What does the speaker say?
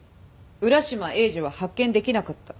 浦島エイジは発見できなかった。